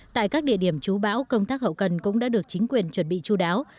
tại các địa điểm chú bão công tác hậu cần cũng đã được chính quyền chuẩn bị chú đáo